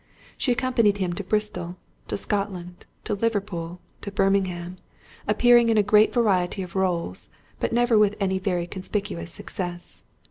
She accompanied him to Bristol, to Scotland, to Liverpool, to Birmingham, appearing in a great variety of rôles, but never with any very conspicuous success.